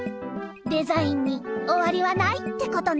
デザインにおわりはないってことね。